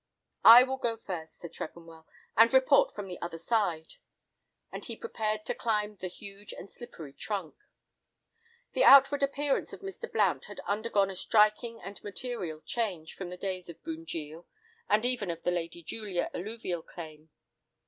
"I will go first," said Tregonwell, "and report from the other side," and he prepared to climb the huge and slippery trunk. The outward appearance of Mr. Blount had undergone a striking and material change, from the days of Bunjil, and even of the "Lady Julia" alluvial claim.